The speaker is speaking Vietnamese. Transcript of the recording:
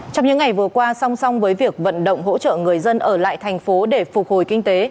trong những ngày vừa qua song song với việc vận động hỗ trợ người dân ở lại thành phố để phục hồi kinh tế